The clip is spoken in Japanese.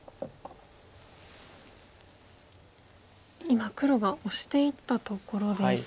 今黒がオシていったところです。